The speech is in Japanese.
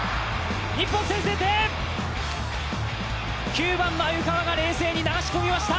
９番、鮎川が冷静に流し込みました！